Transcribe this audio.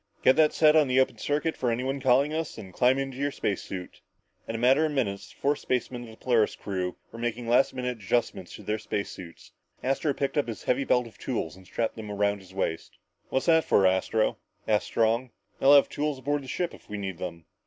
Get that set on the open circuit for any one calling us, then climb into your space suit!" In a matter of minutes, the four spacemen of the Polaris crew were making last minute adjustments on their space suits. Astro picked up his heavy belt of tools and strapped them around his waist. "What's that for, Astro?" asked Strong. "They'll have tools aboard the ship if we need them."